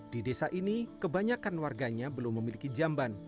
di desa ini kebanyakan warganya belum memiliki jamban